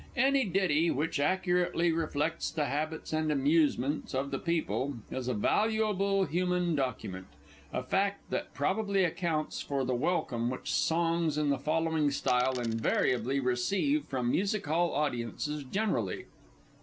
Any ditty which accurately reflects the habits and amusements of the people is a valuable human document a fact that probably accounts for the welcome which songs in the following style invariably receive from Music hall audiences generally.